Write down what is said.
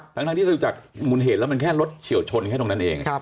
ทั้งที่เราดูจากมูลเหตุแล้วมันแค่รถเฉียวชนแค่ตรงนั้นเอง